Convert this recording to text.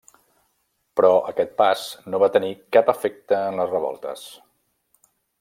Però aquest pas no va tenir cap efecte en les revoltes.